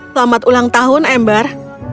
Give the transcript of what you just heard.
selamat ulang tahun amber